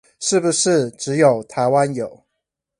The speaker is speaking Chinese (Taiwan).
是不是只有台灣有